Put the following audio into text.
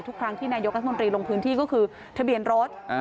ทุกครั้งที่นายกรัฐมนตรีลงพื้นที่ก็คือทะเบียนรถ